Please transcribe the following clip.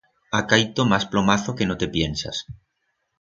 Ha caito mas plomazo que no te piensas.